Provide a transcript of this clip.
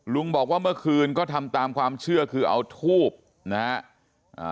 บอกว่าเมื่อคืนก็ทำตามความเชื่อคือเอาทูบนะฮะอ่า